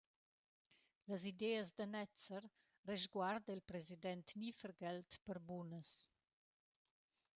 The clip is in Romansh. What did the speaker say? Las ideas da Netzer resguarda il president Nievergelt per bunas.